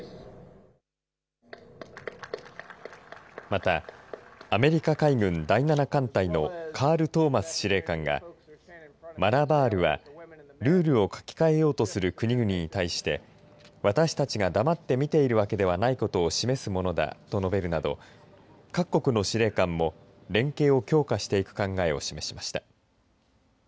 また、アメリカ海軍第７艦隊のカール・トーマス司令官がマラバールはルールを書き換えようとする国々に対して私たちが黙って見ているわけでないことを示すものだと述べるなど各国の司令官も連携を強化していく考えを示しました。